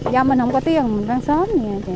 do mình không có tiền mình bán sớm